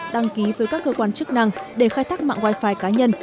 đăng ký với các cơ quan chức năng để khai thác mạng wi fi cá nhân